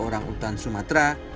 orang utan sumatera